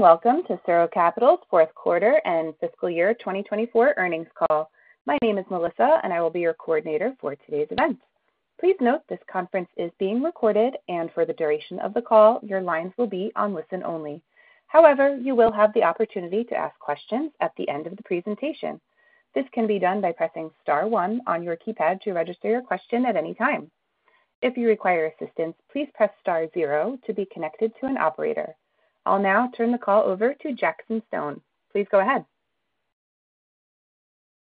Welcome to SuRo Capital's fourth quarter and fiscal year 2024 earnings call. My name is Melissa, and I will be your coordinator for today's event. Please note this conference is being recorded, and for the duration of the call, your lines will be on listen only. However, you will have the opportunity to ask questions at the end of the presentation. This can be done by pressing star one on your keypad to register your question at any time. If you require assistance, please press star zero to be connected to an operator. I'll now turn the call over to Jackson Stone. Please go ahead.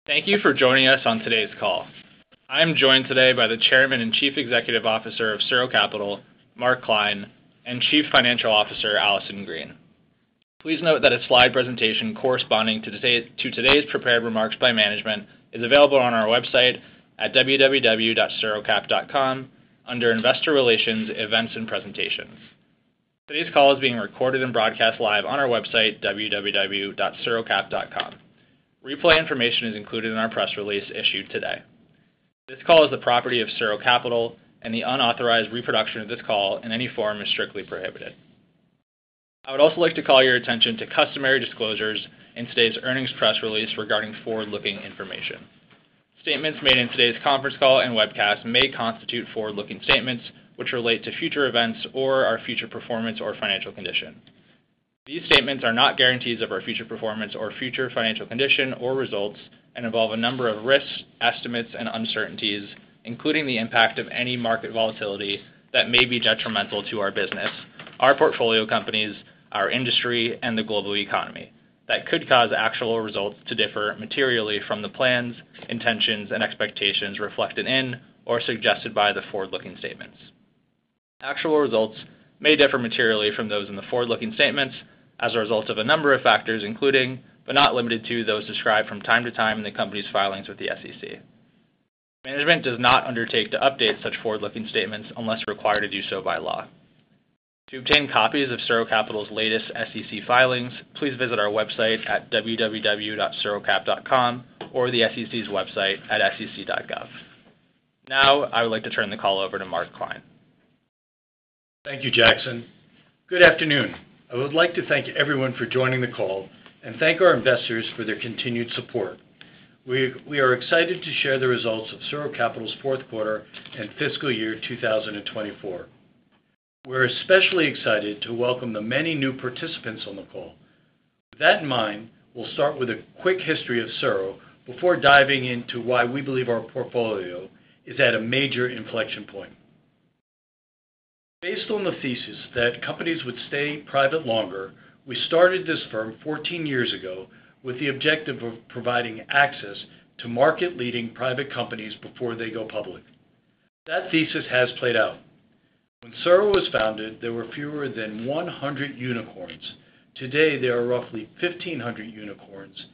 Thank you for joining us on today's call. I'm joined today by the Chairman and Chief Executive Officer of SuRo Capital, Mark Klein, and Chief Financial Officer, Allison Green. Please note that a slide presentation corresponding to today's prepared remarks by management is available on our website at www.surocap.com under Investor Relations, Events, and Presentations. Today's call is being recorded and broadcast live on our website, www.surocap.com. Replay information is included in our press release issued today. This call is the property of SuRo Capital, and the unauthorized reproduction of this call in any form is strictly prohibited. I would also like to call your attention to customary disclosures in today's earnings press release regarding forward-looking information. Statements made in today's conference call and webcast may constitute forward-looking statements which relate to future events or our future performance or financial condition. These statements are not guarantees of our future performance or future financial condition or results and involve a number of risks, estimates, and uncertainties, including the impact of any market volatility that may be detrimental to our business, our portfolio companies, our industry, and the global economy that could cause actual results to differ materially from the plans, intentions, and expectations reflected in or suggested by the forward-looking statements. Actual results may differ materially from those in the forward-looking statements as a result of a number of factors, including, but not limited to, those described from time to time in the company's filings with the SEC. Management does not undertake to update such forward-looking statements unless required to do so by law. To obtain copies of SuRo Capital's latest SEC filings, please visit our website at www.surocap.com or the SEC's website at sec.gov. Now, I would like to turn the call over to Mark Klein. Thank you, Jackson. Good afternoon. I would like to thank everyone for joining the call and thank our investors for their continued support. We are excited to share the results of SuRo Capital's fourth quarter and fiscal year 2024. We're especially excited to welcome the many new participants on the call. With that in mind, we'll start with a quick history of SuRo before diving into why we believe our portfolio is at a major inflection point. Based on the thesis that companies would stay private longer, we started this firm 14 years ago with the objective of providing access to market-leading private companies before they go public. That thesis has played out. When SuRo was founded, there were fewer than 100 unicorns. Today, there are roughly 1,500 unicorns,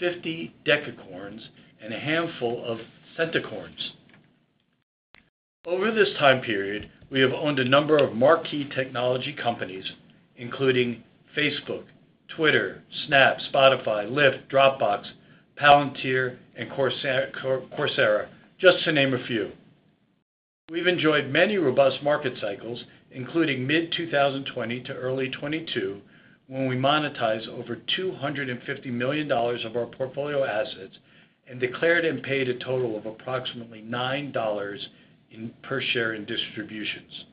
50 decacorns, and a handful of centacorns. Over this time period, we have owned a number of marquee technology companies, including Facebook, Twitter, Snap, Spotify, Lyft, Dropbox, Palantir, and Coursera, just to name a few. We've enjoyed many robust market cycles, including mid-2020 to early 2022, when we monetized over $250 million of our portfolio assets and declared and paid a total of approximately $9 per share in distributions.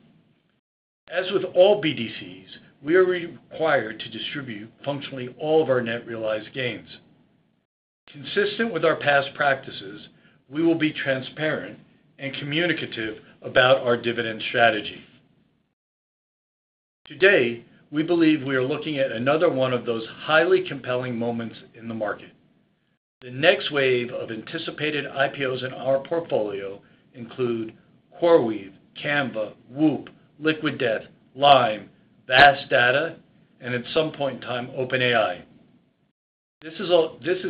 As with all BDCs, we are required to distribute functionally all of our net realized gains. Consistent with our past practices, we will be transparent and communicative about our dividend strategy. Today, we believe we are looking at another one of those highly compelling moments in the market. The next wave of anticipated IPOs in our portfolio includes CoreWeave, Canva, WHOOP, Liquid Death, Lime, VAST Data, and at some point in time, OpenAI. This is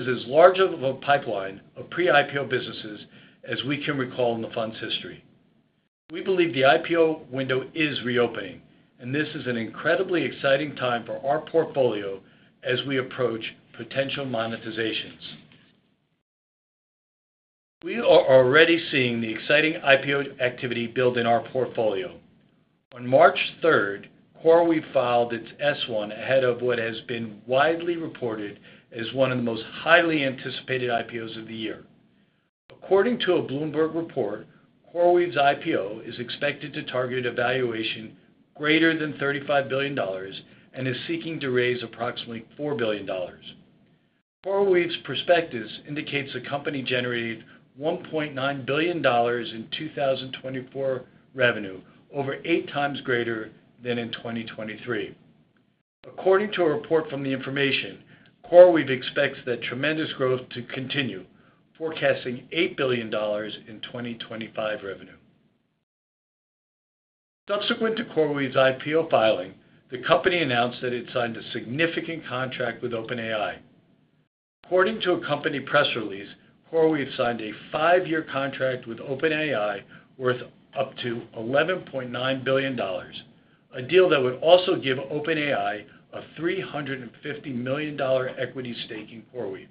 as large of a pipeline of pre-IPO businesses as we can recall in the fund's history. We believe the IPO window is reopening, and this is an incredibly exciting time for our portfolio as we approach potential monetizations. We are already seeing the exciting IPO activity build in our portfolio. On March 3, CoreWeave filed its S-1 ahead of what has been widely reported as one of the most highly anticipated IPOs of the year. According to a Bloomberg report, CoreWeave's IPO is expected to target a valuation greater than $35 billion and is seeking to raise approximately $4 billion. CoreWeave's prospectus indicates the company generated $1.9 billion in 2024 revenue, over eight times greater than in 2023. According to a report from The Information, CoreWeave expects that tremendous growth to continue, forecasting $8 billion in 2025 revenue. Subsequent to CoreWeave's IPO filing, the company announced that it signed a significant contract with OpenAI. According to a company press release, CoreWeave signed a five-year contract with OpenAI worth up to $11.9 billion, a deal that would also give OpenAI a $350 million equity stake in CoreWeave.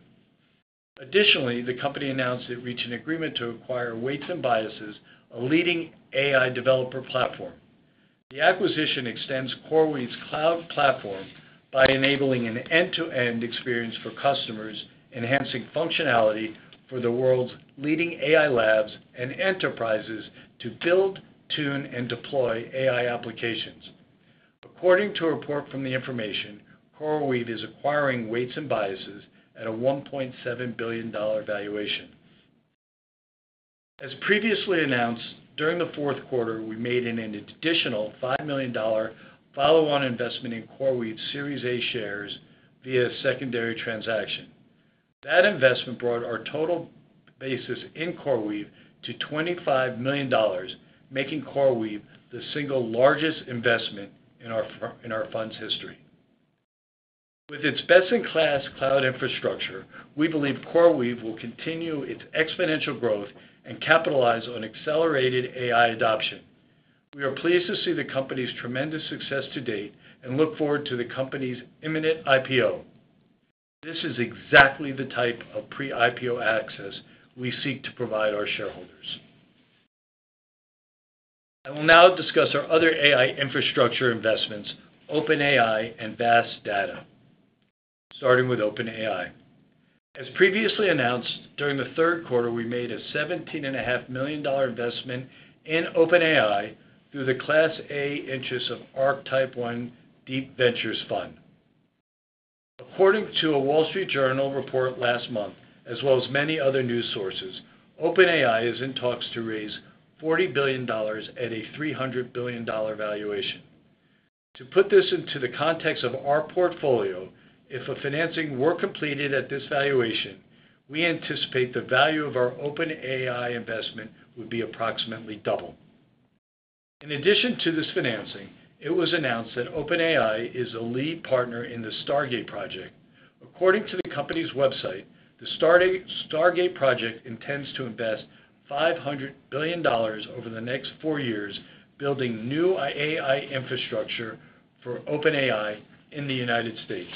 Additionally, the company announced it reached an agreement to acquire Weights & Biases, a leading AI developer platform. The acquisition extends CoreWeave's cloud platform by enabling an end-to-end experience for customers, enhancing functionality for the world's leading AI labs and enterprises to build, tune, and deploy AI applications. According to a report from The Information, CoreWeave is acquiring Weights & Biases at a $1.7 billion valuation. As previously announced, during the fourth quarter, we made an additional $5 million follow-on investment in CoreWeave's Series A shares via a secondary transaction. That investment brought our total basis in CoreWeave to $25 million, making CoreWeave the single largest investment in our fund's history. With its best-in-class cloud infrastructure, we believe CoreWeave will continue its exponential growth and capitalize on accelerated AI adoption. We are pleased to see the company's tremendous success to date and look forward to the company's imminent IPO. This is exactly the type of pre-IPO access we seek to provide our shareholders. I will now discuss our other AI infrastructure investments, OpenAI and VAST Data, starting with OpenAI. As previously announced, during the third quarter, we made a $17.5 million investment in OpenAI through the Class A interests of ARK Type One Deep Ventures Fund. According to a Wall Street Journal report last month, as well as many other news sources, OpenAI is in talks to raise $40 billion at a $300 billion valuation. To put this into the context of our portfolio, if financing were completed at this valuation, we anticipate the value of our OpenAI investment would be approximately double. In addition to this financing, it was announced that OpenAI is a lead partner in the Stargate project. According to the company's website, the Stargate project intends to invest $500 billion over the next four years, building new AI infrastructure for OpenAI in the United States.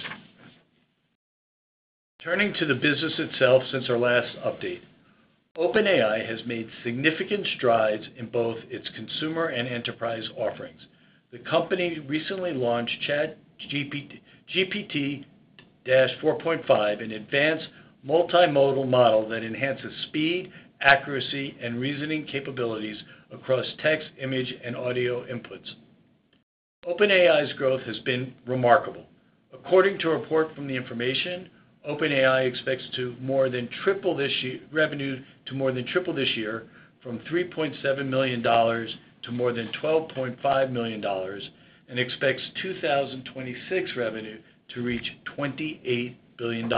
Turning to the business itself since our last update, OpenAI has made significant strides in both its consumer and enterprise offerings. The company recently launched ChatGPT-4.5, an advanced multimodal model that enhances speed, accuracy, and reasoning capabilities across text, image, and audio inputs. OpenAI's growth has been remarkable. According to a report from The Information, OpenAI expects to more than triple this year's revenue to more than triple this year from $3.7 million to more than $12.5 million and expects 2026 revenue to reach $28 billion.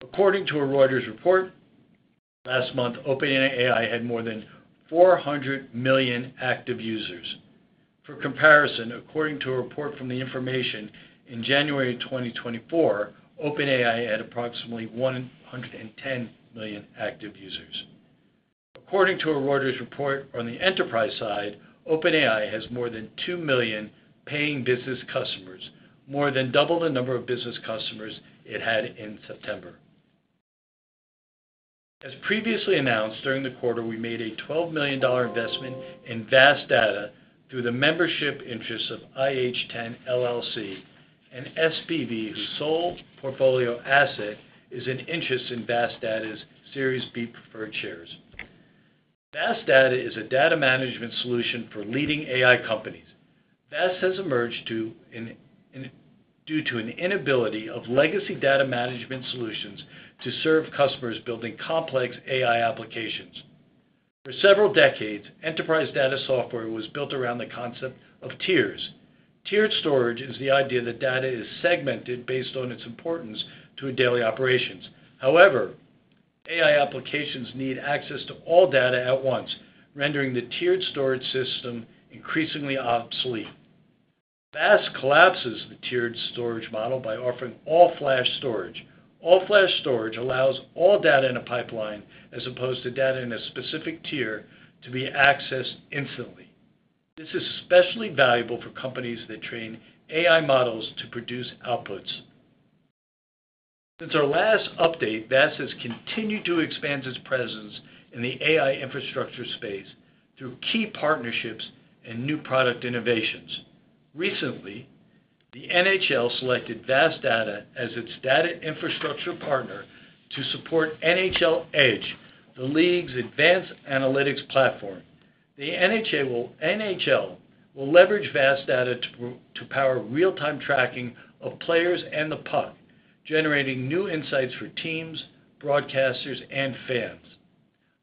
According to a Reuters report last month, OpenAI had more than 400 million active users. For comparison, according to a report from The Information, in January 2024, OpenAI had approximately 110 million active users. According to a Reuters report on the enterprise side, OpenAI has more than 2 million paying business customers, more than double the number of business customers it had in September. As previously announced, during the quarter, we made a $12 million investment in VAST Data through the membership interests of IH10, LLC, an SPV whose sole portfolio asset is in interests in VAST Data's Series B preferred shares. VAST Data is a data management solution for leading AI companies. Vast has emerged due to an inability of legacy data management solutions to serve customers building complex AI applications. For several decades, enterprise data software was built around the concept of tiers. Tiered storage is the idea that data is segmented based on its importance to daily operations. However, AI applications need access to all data at once, rendering the tiered storage system increasingly obsolete. Vast collapses the tiered storage model by offering all-flash storage. All-flash storage allows all data in a pipeline, as opposed to data in a specific tier, to be accessed instantly. This is especially valuable for companies that train AI models to produce outputs. Since our last update, Vast has continued to expand its presence in the AI infrastructure space through key partnerships and new product innovations. Recently, the NHL selected VAST Data as its data infrastructure partner to support NHL Edge, the league's advanced analytics platform. The NHL will leverage VAST Data to power real-time tracking of players and the puck, generating new insights for teams, broadcasters, and fans.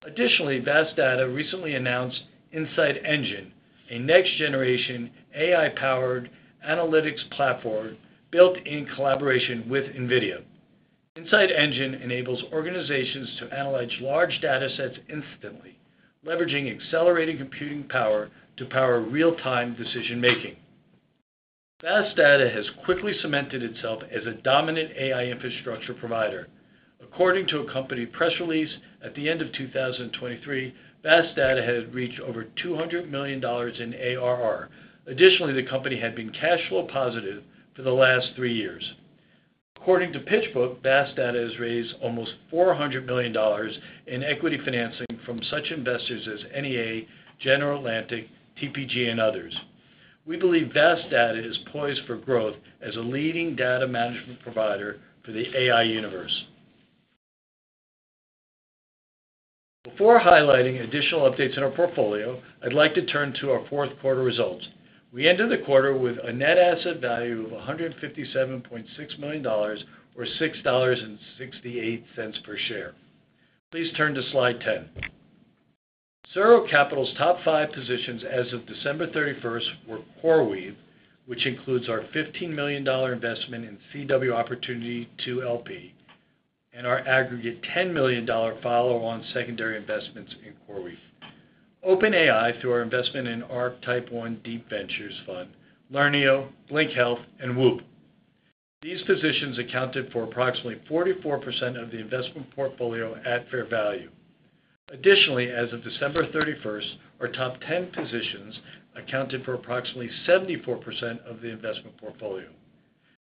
Additionally, VAST Data recently announced InsightEngine, a next-generation AI-powered analytics platform built in collaboration with NVIDIA. InsightEngine enables organizations to analyze large data sets instantly, leveraging accelerated computing power to power real-time decision-making. VAST Data has quickly cemented itself as a dominant AI infrastructure provider. According to a company press release, at the end of 2023, VAST Data had reached over $200 million in ARR. Additionally, the company had been cash flow positive for the last three years. According to Pitchbook, VAST Data has raised almost $400 million in equity financing from such investors as NEA, General Atlantic, TPG, and others. We believe VAST Data is poised for growth as a leading data management provider for the AI universe. Before highlighting additional updates in our portfolio, I'd like to turn to our fourth quarter results. We ended the quarter with a net asset value of $157.6 million, or $6.68 per share. Please turn to slide 10. SuRo Capital's top five positions as of December 31 were CoreWeave, which includes our $15 million investment in CW Opportunity 2 LP, and our aggregate $10 million follow-on secondary investments in CoreWeave. OpenAI, through our investment in ARK Type One Deep Ventures Fund, Learneo, Blink Health, and WHOOP. These positions accounted for approximately 44% of the investment portfolio at fair value. Additionally, as of December 31, our top 10 positions accounted for approximately 74% of the investment portfolio.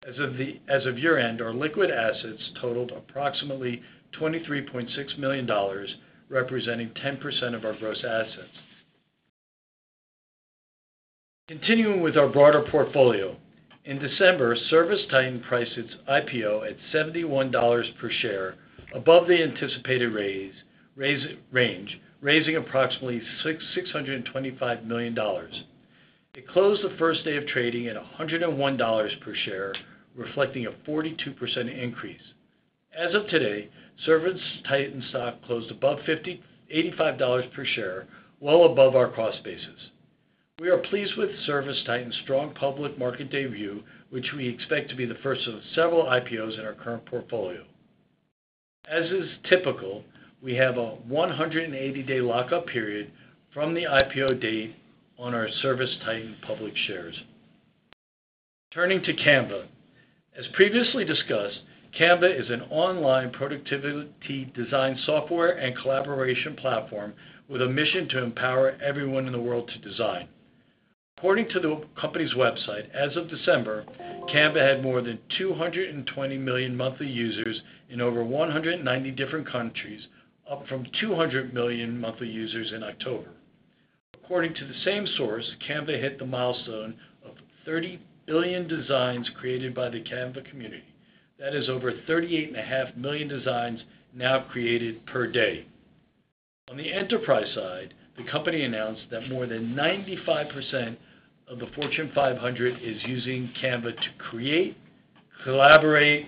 As of year-end, our liquid assets totaled approximately $23.6 million, representing 10% of our gross assets. Continuing with our broader portfolio, in December, ServiceTitan priced its IPO at $71 per share, above the anticipated range, raising approximately $625 million. It closed the first day of trading at $101 per share, reflecting a 42% increase. As of today, ServiceTitan stock closed above $85 per share, well above our cost basis. We are pleased with ServiceTitan's strong public market debut, which we expect to be the first of several IPOs in our current portfolio. As is typical, we have a 180-day lockup period from the IPO date on our ServiceTitan public shares. Turning to Canva. As previously discussed, Canva is an online productivity design software and collaboration platform with a mission to empower everyone in the world to design. According to the company's website, as of December, Canva had more than 220 million monthly users in over 190 different countries, up from 200 million monthly users in October. According to the same source, Canva hit the milestone of 30 billion designs created by the Canva community. That is over 38.5 million designs now created per day. On the enterprise side, the company announced that more than 95% of the Fortune 500 is using Canva to create, collaborate,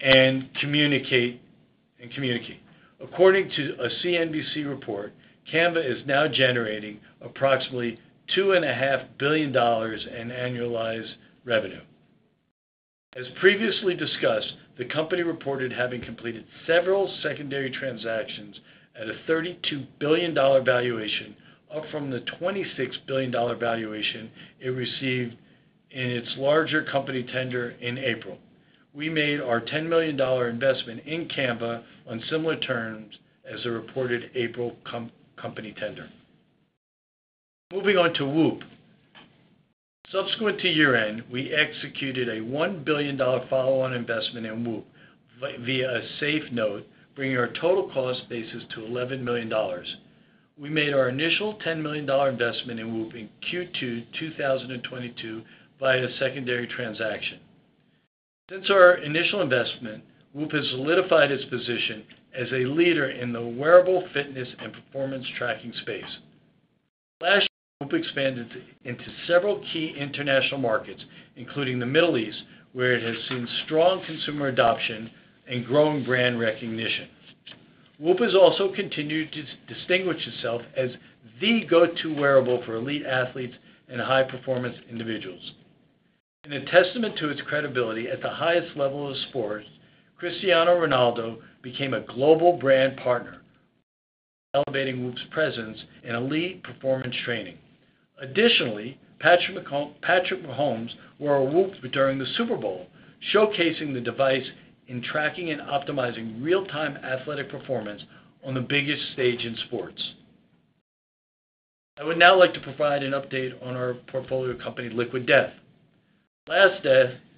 and communicate. According to a CNBC report, Canva is now generating approximately $2.5 billion in annualized revenue. As previously discussed, the company reported having completed several secondary transactions at a $32 billion valuation, up from the $26 billion valuation it received in its larger company tender in April. We made our $10 million investment in Canva on similar terms as the reported April company tender. Moving on to WHOOP. Subsequent to year-end, we executed a $1 billion follow-on investment in WHOOP via a SAFE note, bringing our total cost basis to $11 million. We made our initial $10 million investment in WHOOP in Q2 2022 via a secondary transaction. Since our initial investment, WHOOP has solidified its position as a leader in the wearable fitness and performance tracking space. Last year, WHOOP expanded into several key international markets, including the Middle East, where it has seen strong consumer adoption and growing brand recognition. WHOOP has also continued to distinguish itself as the go-to wearable for elite athletes and high-performance individuals. In a testament to its credibility at the highest level of sports, Cristiano Ronaldo became a global brand partner, elevating WHOOP's presence in elite performance training. Additionally, Patrick Mahomes wore a WHOOP during the Super Bowl, showcasing the device in tracking and optimizing real-time athletic performance on the biggest stage in sports. I would now like to provide an update on our portfolio company, Liquid Death.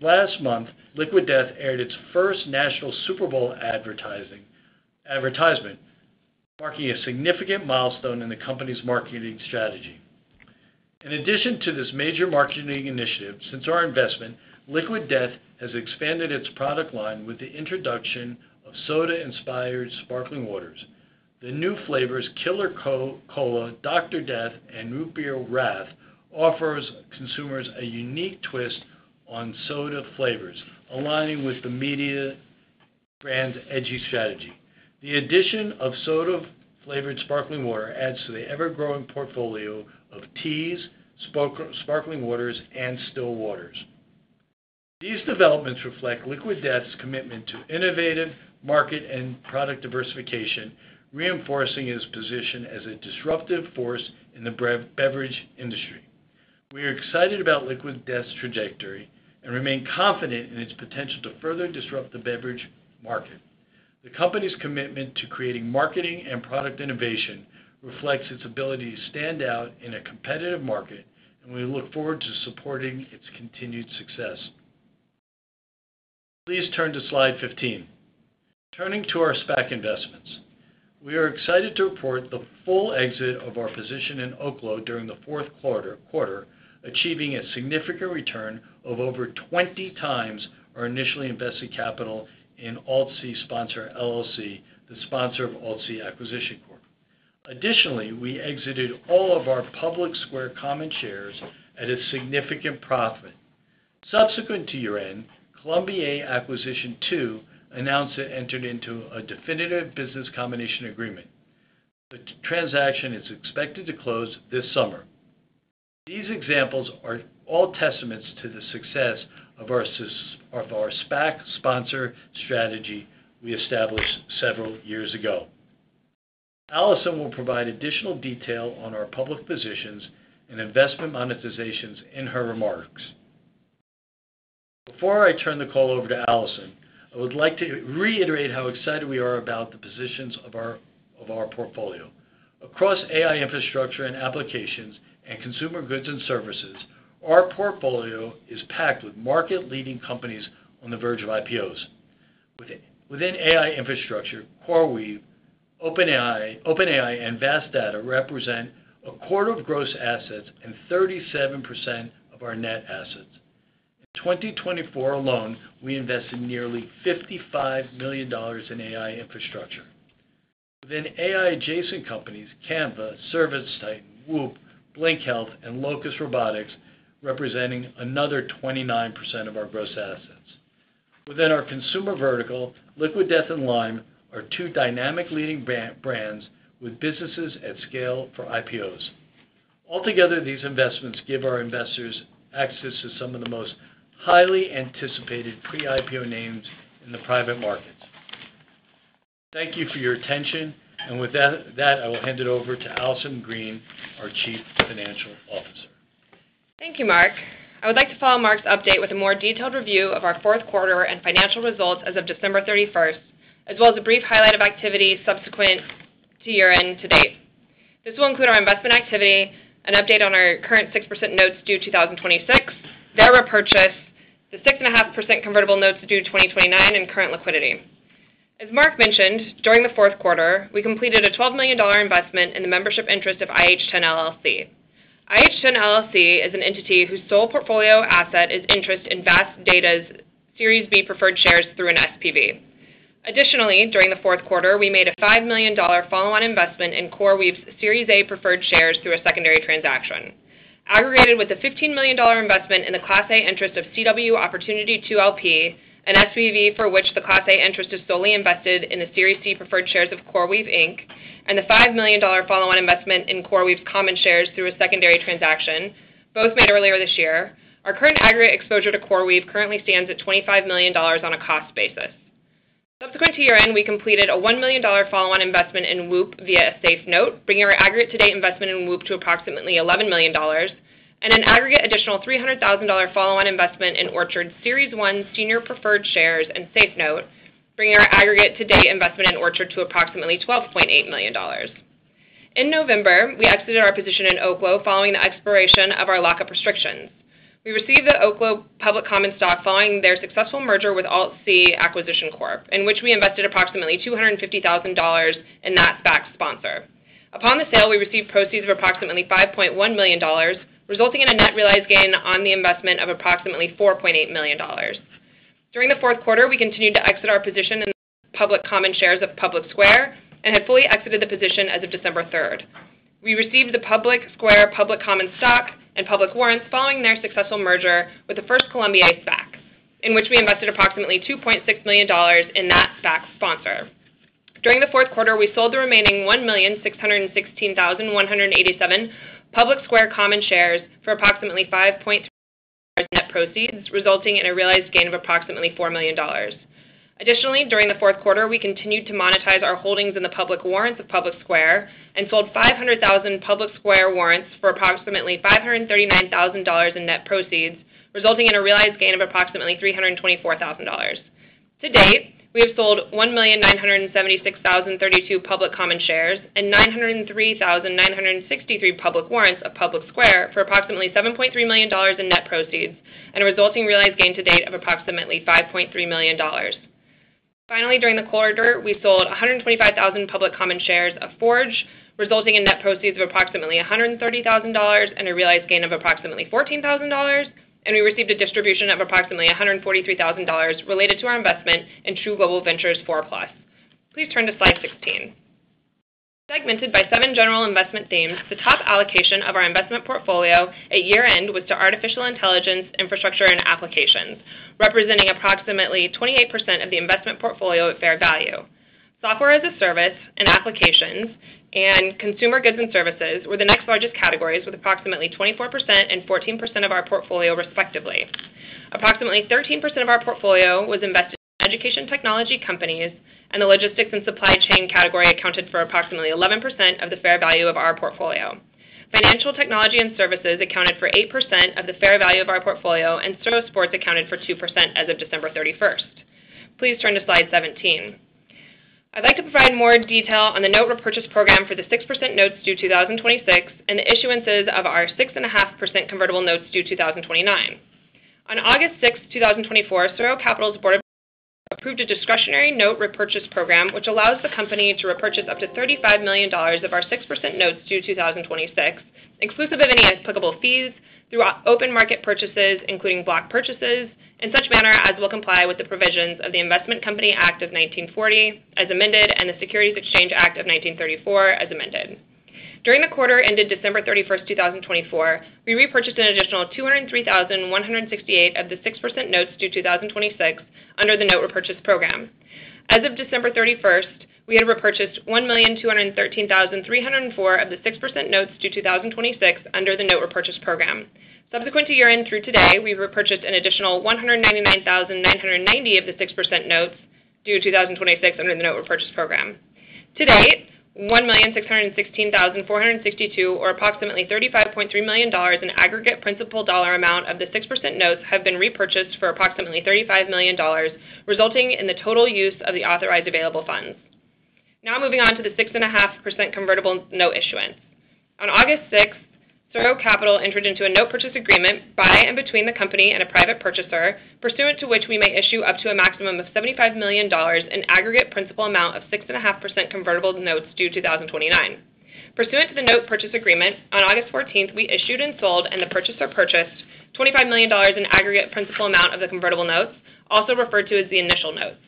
Last month, Liquid Death aired its first national Super Bowl advertisement, marking a significant milestone in the company's marketing strategy. In addition to this major marketing initiative, since our investment, Liquid Death has expanded its product line with the introduction of soda-inspired sparkling waters. The new flavors, Killer Cola, Dr. Death, and Root Beer Wrath, offer consumers a unique twist on soda flavors, aligning with the media brand's edgy strategy. The addition of soda-flavored sparkling water adds to the ever-growing portfolio of teas, sparkling waters, and still waters. These developments reflect Liquid Death's commitment to innovative market and product diversification, reinforcing its position as a disruptive force in the beverage industry. We are excited about Liquid Death's trajectory and remain confident in its potential to further disrupt the beverage market. The company's commitment to creating marketing and product innovation reflects its ability to stand out in a competitive market, and we look forward to supporting its continued success. Please turn to slide 15. Turning to our SPAC investments. We are excited to report the full exit of our position in Oklo during the fourth quarter, achieving a significant return of over 20x our initially invested capital in AltC Sponsor LLC, the sponsor of AltC Acquisition Corp. Additionally, we exited all of our PublicSquare Common shares at a significant profit. Subsequent to year-end, Colombier Acquisition II announced it entered into a definitive business combination agreement. The transaction is expected to close this summer. These examples are all testaments to the success of our SPAC sponsor strategy we established several years ago. Allison will provide additional detail on our public positions and investment monetizations in her remarks. Before I turn the call over to Allison, I would like to reiterate how excited we are about the positions of our portfolio. Across AI infrastructure and applications and consumer goods and services, our portfolio is packed with market-leading companies on the verge of IPOs. Within AI infrastructure, CoreWeave, OpenAI, and VAST Data represent a quarter of gross assets and 37% of our net assets. In 2024 alone, we invested nearly $55 million in AI infrastructure. Within AI-adjacent companies, Canva, ServiceTitan, WHOOP, Blink Health, and Locus Robotics represent another 29% of our gross assets. Within our consumer vertical, Liquid Death and Lime are two dynamic leading brands with businesses at scale for IPOs. Altogether, these investments give our investors access to some of the most highly anticipated pre-IPO names in the private markets. Thank you for your attention. With that, I will hand it over to Allison Green, our Chief Financial Officer. Thank you, Mark. I would like to follow Mark's update with a more detailed review of our fourth quarter and financial results as of December 31st, as well as a brief highlight of activity subsequent to year-end to date. This will include our investment activity, an update on our current 6% notes due 2026, their repurchase, the 6.5% convertible notes due 2029, and current liquidity. As Mark mentioned, during the fourth quarter, we completed a $12 million investment in the membership interest of IH10, LLC. IH10, LLC is an entity whose sole portfolio asset is interest in VAST Data's Series B preferred shares through an SPV. Additionally, during the fourth quarter, we made a $5 million follow-on investment in CoreWeave's Series A preferred shares through a secondary transaction. Aggregated with a $15 million investment in the Class A interest of CW Opportunity 2 LP, an SPV for which the Class A interest is solely invested in the Series C preferred shares of CoreWeave, and the $5 million follow-on investment in CoreWeave's common shares through a secondary transaction, both made earlier this year, our current aggregate exposure to CoreWeave currently stands at $25 million on a cost basis. Subsequent to year-end, we completed a $1 million follow-on investment in WHOOP via a SAFE note, bringing our aggregate to-date investment in WHOOP to approximately $11 million, and an aggregate additional $300,000 follow-on investment in Orchard's Series 1 Senior Preferred Shares and SAFE note, bringing our aggregate to-date investment in Orchard to approximately $12.8 million. In November, we exited our position in Oklo following the expiration of our lockup restrictions. We received the Oklo Public Common stock following their successful merger with AltC Acquisition Corp, in which we invested approximately $250,000 in that SPAC sponsor. Upon the sale, we received proceeds of approximately $5.1 million, resulting in a net realized gain on the investment of approximately $4.8 million. During the fourth quarter, we continued to exit our position in the public common shares of PublicSquare and had fully exited the position as of December 3rd. We received the PublicSquare Public Common stock and public warrants following their successful merger with the first Colombier SPAC, in which we invested approximately $2.6 million in that SPAC sponsor. During the fourth quarter, we sold the remaining 1,616,187 PublicSquare Common shares for approximately $5.3 million in net proceeds, resulting in a realized gain of approximately $4 million. Additionally, during the fourth quarter, we continued to monetize our holdings in the public warrants of PublicSquare and sold 500,000 PublicSquare warrants for approximately $539,000 in net proceeds, resulting in a realized gain of approximately $324,000. To date, we have sold 1,976,032 public common shares and 903,963 public warrants of PublicSquare for approximately $7.3 million in net proceeds, and a resulting realized gain to date of approximately $5.3 million. Finally, during the quarter, we sold 125,000 public common shares of Forge, resulting in net proceeds of approximately $130,000 and a realized gain of approximately $14,000, and we received a distribution of approximately $143,000 related to our investment in True Global Ventures 4+. Please turn to slide 16. Segmented by seven general investment themes, the top allocation of our investment portfolio at year-end was to artificial intelligence, infrastructure, and applications, representing approximately 28% of the investment portfolio at fair value. Software as a service and applications and consumer goods and services were the next largest categories with approximately 24% and 14% of our portfolio, respectively. Approximately 13% of our portfolio was invested in education technology companies, and the logistics and supply chain category accounted for approximately 11% of the fair value of our portfolio. Financial technology and services accounted for 8% of the fair value of our portfolio, and sports accounted for 2% as of December 31. Please turn to slide 17. I'd like to provide more detail on the note repurchase program for the 6% notes due 2026 and the issuances of our 6.5% convertible notes due 2029. On August 6, 2024, SuRo Capital's board approved a discretionary note repurchase program, which allows the company to repurchase up to $35 million of our 6% notes due 2026, inclusive of any applicable fees through open market purchases, including block purchases, in such manner as will comply with the provisions of the Investment Company Act of 1940 as amended and the Securities Exchange Act of 1934 as amended. During the quarter ended December 31, 2024, we repurchased an additional 203,168 of the 6% notes due 2026 under the note repurchase program. As of December 31, we had repurchased 1,213,304 of the 6% notes due 2026 under the note repurchase program. Subsequent to year-end through today, we repurchased an additional 199,990 of the 6% notes due 2026 under the note repurchase program. To date, 1,616,462 or approximately $35.3 million in aggregate principal dollar amount of the 6% notes have been repurchased for approximately $35 million, resulting in the total use of the authorized available funds. Now moving on to the 6.5% convertible note issuance. On August 6th, SuRo Capital entered into a note purchase agreement by and between the company and a private purchaser, pursuant to which we may issue up to a maximum of $75 million in aggregate principal amount of 6.5% convertible notes due 2029. Pursuant to the note purchase agreement, on August 14th, we issued and sold and the purchaser purchased $25 million in aggregate principal amount of the convertible notes, also referred to as the initial notes.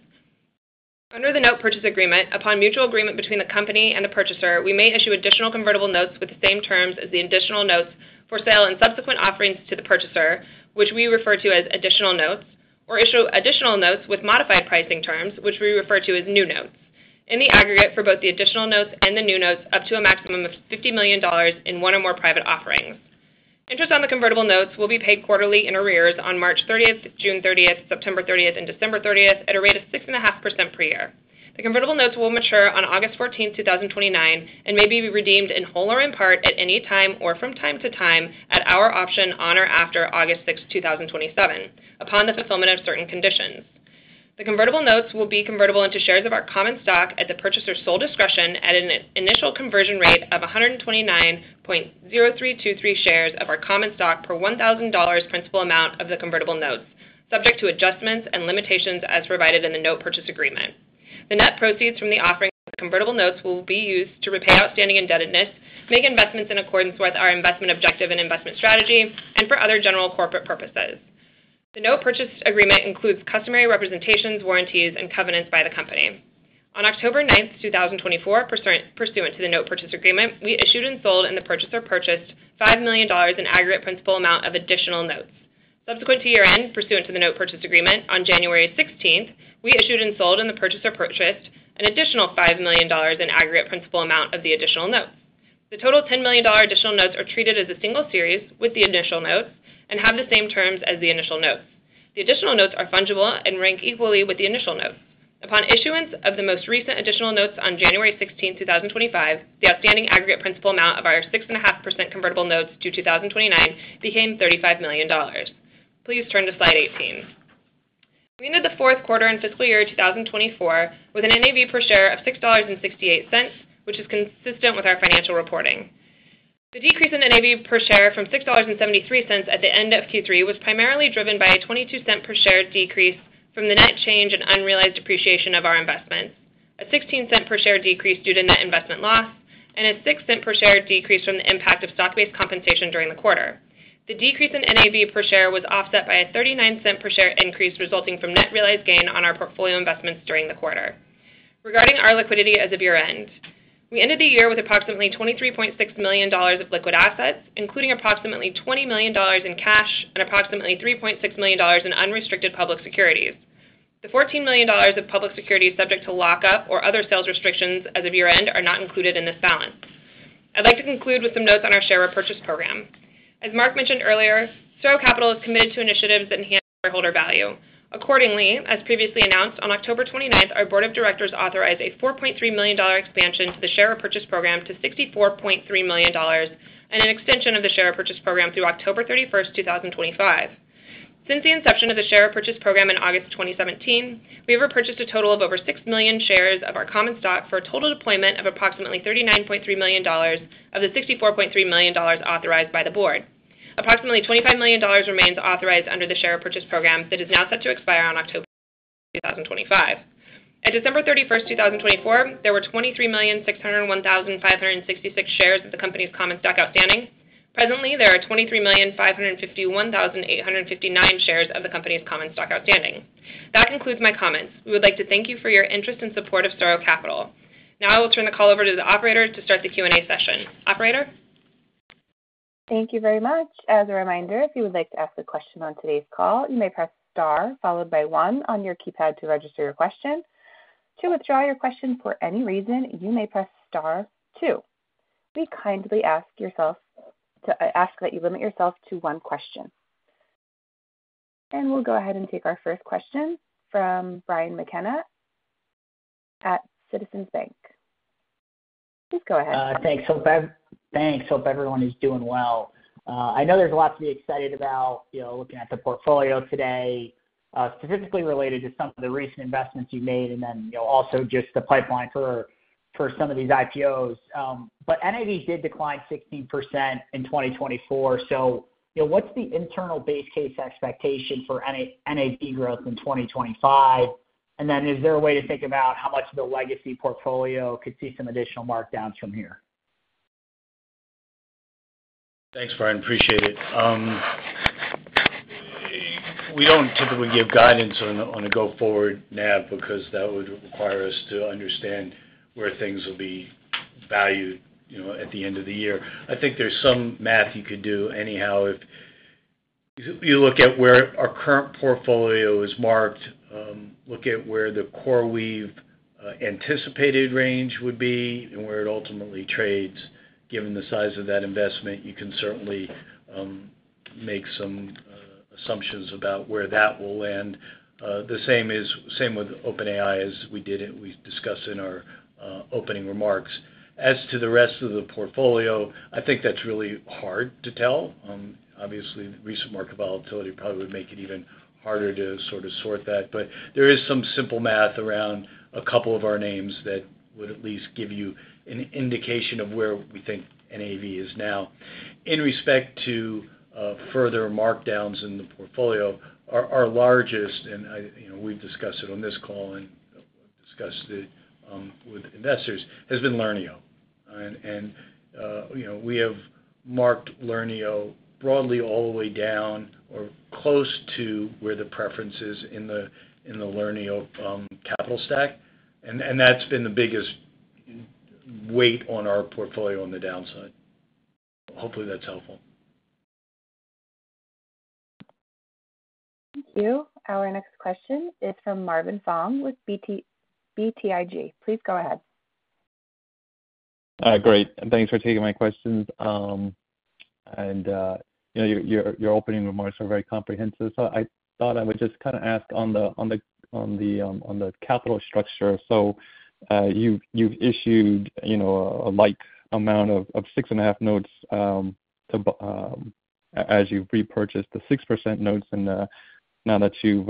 Under the note purchase agreement, upon mutual agreement between the company and the purchaser, we may issue additional convertible notes with the same terms as the additional notes for sale and subsequent offerings to the purchaser, which we refer to as additional notes, or issue additional notes with modified pricing terms, which we refer to as new notes, in the aggregate for both the additional notes and the new notes up to a maximum of $50 million in one or more private offerings. Interest on the convertible notes will be paid quarterly in arrears on March 30, June 30, September 30, and December 30 at a rate of 6.5% per year. The convertible notes will mature on August 14th, 2029, and may be redeemed in whole or in part at any time or from time to time at our option on or after August 6, 2027, upon the fulfillment of certain conditions. The convertible notes will be convertible into shares of our common stock at the purchaser's sole discretion at an initial conversion rate of 129.0323 shares of our common stock per $1,000 principal amount of the convertible notes, subject to adjustments and limitations as provided in the note purchase agreement. The net proceeds from the offering of the convertible notes will be used to repay outstanding indebtedness, make investments in accordance with our investment objective and investment strategy, and for other general corporate purposes. The note purchase agreement includes customary representations, warranties, and covenants by the company. On October 9th, 2024, pursuant to the note purchase agreement, we issued and sold and the purchaser purchased $5 million in aggregate principal amount of additional notes. Subsequent to year-end, pursuant to the note purchase agreement, on January 16th, we issued and sold and the purchaser purchased an additional $5 million in aggregate principal amount of the additional notes. The total $10 million additional notes are treated as a single series with the initial notes and have the same terms as the initial notes. The additional notes are fungible and rank equally with the initial notes. Upon issuance of the most recent additional notes on January 16th, 2025, the outstanding aggregate principal amount of our 6.5% convertible notes due 2029 became $35 million. Please turn to slide 18. We ended the fourth quarter and fiscal year 2024 with an NAV per share of $6.68, which is consistent with our financial reporting. The decrease in NAV per share from $6.73 at the end of Q3 was primarily driven by a $0.22 per share decrease from the net change in unrealized depreciation of our investments, a $0.16 per share decrease due to net investment loss, and a $0.06 per share decrease from the impact of stock-based compensation during the quarter. The decrease in NAV per share was offset by a $0.39 per share increase resulting from net realized gain on our portfolio investments during the quarter. Regarding our liquidity as of year-end, we ended the year with approximately $23.6 million of liquid assets, including approximately $20 million in cash and approximately $3.6 million in unrestricted public securities. The $14 million of public securities subject to lockup or other sales restrictions as of year-end are not included in this balance. I'd like to conclude with some notes on our share repurchase program. As Mark mentioned earlier, SuRo Capital is committed to initiatives that enhance shareholder value. Accordingly, as previously announced, on October 29th, our board of directors authorized a $4.3 million expansion to the share repurchase program to $64.3 million and an extension of the share repurchase program through October 31st, 2025. Since the inception of the share repurchase program in August 2017, we have repurchased a total of over 6 million shares of our common stock for a total deployment of approximately $39.3 million of the $64.3 million authorized by the board. Approximately $25 million remains authorized under the share repurchase program that is now set to expire on October 2025. At December 31st, 2024, there were 23,601,566 shares of the company's common stock outstanding. Presently, there are 23,551,859 shares of the company's common stock outstanding. That concludes my comments. We would like to thank you for your interest and support of SuRo Capital. Now I will turn the call over to the operator to start the Q&A session. Operator? Thank you very much. As a reminder, if you would like to ask a question on today's call, you may press star followed by one on your keypad to register your question. To withdraw your question for any reason, you may press star two. We kindly ask that you limit yourself to one question. We will go ahead and take our first question from Brian McKenna at Citizens JMP. Please go ahead. Thanks. Hope everyone is doing well. I know there's a lot to be excited about looking at the portfolio today, specifically related to some of the recent investments you've made and then also just the pipeline for some of these IPOs. NAV did decline 16% in 2024. What's the internal base case expectation for NAV growth in 2025? Is there a way to think about how much of the legacy portfolio could see some additional markdowns from here? Thanks, Brian. Appreciate it. We don't typically give guidance on a go-forward NAV because that would require us to understand where things will be valued at the end of the year. I think there's some math you could do anyhow if you look at where our current portfolio is marked, look at where the CoreWeave anticipated range would be, and where it ultimately trades. Given the size of that investment, you can certainly make some assumptions about where that will land. The same with OpenAI as we discussed in our opening remarks. As to the rest of the portfolio, I think that's really hard to tell. Obviously, recent market volatility probably would make it even harder to sort of sort that. There is some simple math around a couple of our names that would at least give you an indication of where we think NAV is now. In respect to further markdowns in the portfolio, our largest, and we've discussed it on this call and discussed it with investors, has been Learneo. We have marked Learneo broadly all the way down or close to where the preference is in the Learneo capital stack. That's been the biggest weight on our portfolio on the downside. Hopefully, that's helpful. Thank you. Our next question is from Marvin Fong with BTIG. Please go ahead. Great. Thanks for taking my questions. Your opening remarks are very comprehensive. I thought I would just kind of ask on the capital structure. You've issued a light amount of 6.5 notes as you've repurchased the 6% notes. Now that you've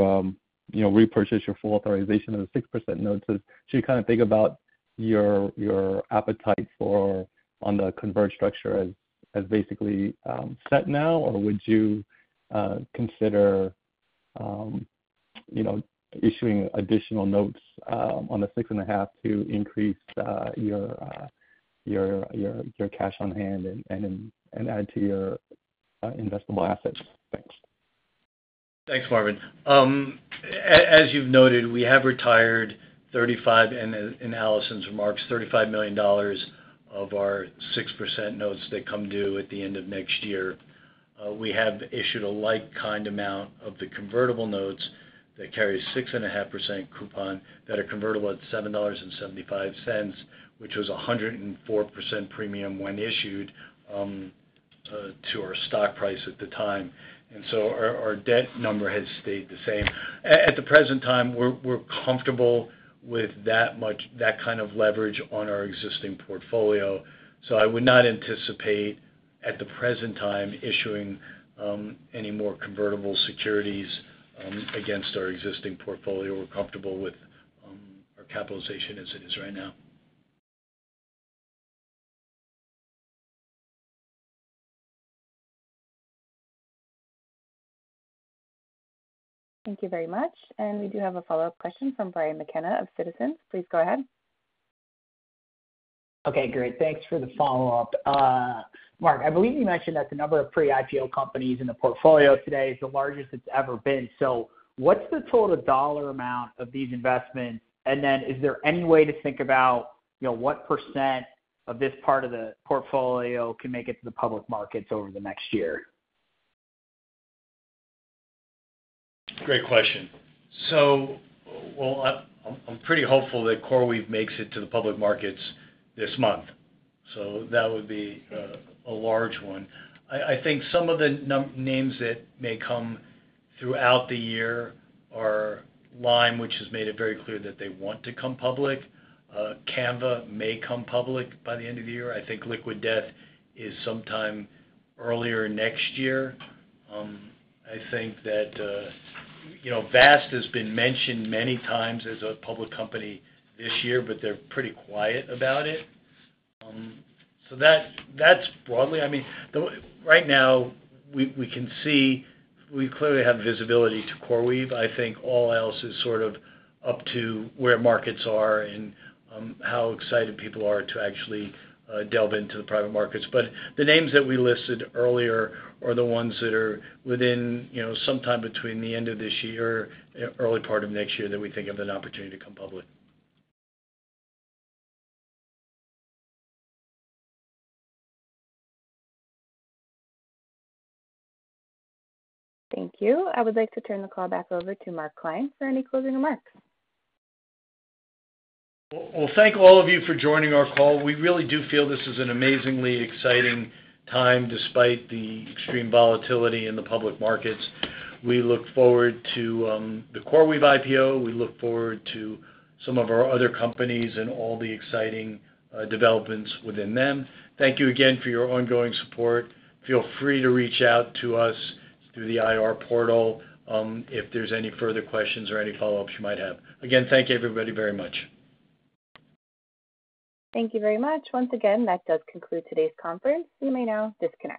repurchased your full authorization of the 6% notes, should you kind of think about your appetite for on the converged structure as basically set now, or would you consider issuing additional notes on the 6.5 to increase your cash on hand and add to your investable assets? Thanks. Thanks, Marvin. As you've noted, we have retired, in Allison's remarks, $35 million of our 6% notes that come due at the end of next year. We have issued a light kind amount of the convertible notes that carry a 6.5% coupon that are convertible at $7.75, which was a 104% premium when issued to our stock price at the time. Our debt number has stayed the same. At the present time, we're comfortable with that kind of leverage on our existing portfolio. I would not anticipate, at the present time, issuing any more convertible securities against our existing portfolio. We're comfortable with our capitalization as it is right now. Thank you very much. We do have a follow-up question from Brian McKenna of Citizens. Please go ahead. Okay. Great. Thanks for the follow-up. Mark, I believe you mentioned that the number of pre-IPO companies in the portfolio today is the largest it's ever been. What's the total dollar amount of these investments? Is there any way to think about what percent of this part of the portfolio can make it to the public markets over the next year? Great question. I'm pretty hopeful that CoreWeave makes it to the public markets this month. That would be a large one. I think some of the names that may come throughout the year are Lime, which has made it very clear that they want to come public. Canva may come public by the end of the year. I think Liquid Death is sometime earlier next year. I think that Vast has been mentioned many times as a public company this year, but they're pretty quiet about it. That's broadly. Right now, we can see we clearly have visibility to CoreWeave. I think all else is sort of up to where markets are and how excited people are to actually delve into the private markets. The names that we listed earlier are the ones that are within sometime between the end of this year and early part of next year that we think have an opportunity to come public. Thank you. I would like to turn the call back over to Mark Klein for any closing remarks. Thank all of you for joining our call. We really do feel this is an amazingly exciting time despite the extreme volatility in the public markets. We look forward to the CoreWeave IPO. We look forward to some of our other companies and all the exciting developments within them. Thank you again for your ongoing support. Feel free to reach out to us through the IR portal if there's any further questions or any follow-ups you might have. Again, thank you, everybody, very much. Thank you very much. Once again, that does conclude today's conference. You may now disconnect.